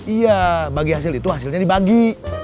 iya bagi hasil itu hasilnya dibagi